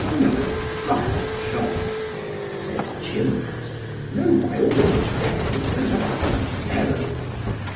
No, Friar John, said Gymnast, no, by all the devils that are, no!